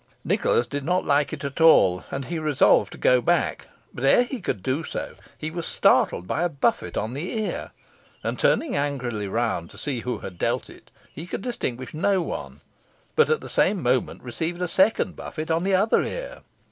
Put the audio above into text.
Nicholas did not like it at all, and he resolved to go back; but ere he could do so, he was startled by a buffet on the ear, and turning angrily round to see who had dealt it, he could distinguish no one, but at the same moment received a second buffet on the other ear.